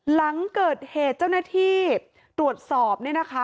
หลังเกิดเหตุเจ้าหน้าที่ตรวจสอบเนี่ยนะคะ